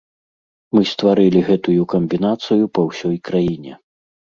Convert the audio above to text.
Мы стварылі гэтую камбінацыю па ўсёй краіне.